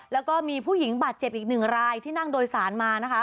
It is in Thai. แล้วก็มีผู้หญิงบาดเจ็บอีกหนึ่งรายที่นั่งโดยสารมานะคะ